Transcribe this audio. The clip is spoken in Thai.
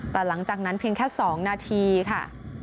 แต่หลังจากนั้นเพียงแค่๒นาทีค่ะ